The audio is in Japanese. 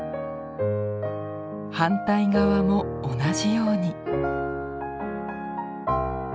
反対側も同じように。